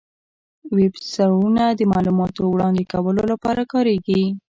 ویب سرورونه د معلوماتو وړاندې کولو لپاره کارېږي.